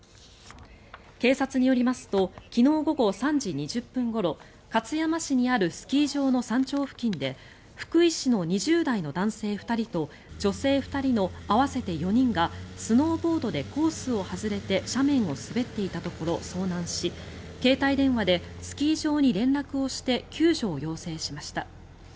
警察によりますと昨日午後３時２０分ごろ勝山市にあるスキー場の山頂付近で福井市の２０代の男性２人と女性２人の合わせて４人がスノーボードでコースを外れて斜面を滑っていたところ、遭難し携帯電話でスキー場に連絡をして救助を要請しました。